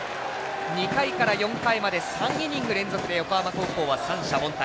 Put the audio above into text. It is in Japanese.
２回から４回まで３イニング連続で横浜高校は三者凡退。